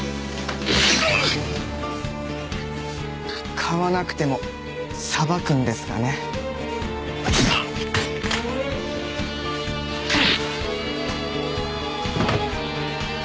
買わなくてもさばくんですがねアッ！